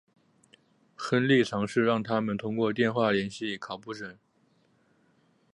亨利尝试让他们通过电话联系考雷什。